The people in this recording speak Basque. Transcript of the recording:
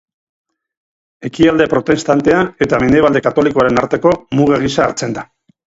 Ekialde protestantea eta mendebalde katolikoaren arteko muga gisa hartzen da.